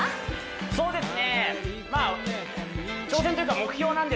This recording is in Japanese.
そうですね